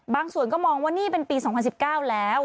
ส่วนก็มองว่านี่เป็นปี๒๐๑๙แล้ว